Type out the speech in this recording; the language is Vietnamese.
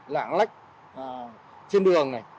lạng lách trên đường này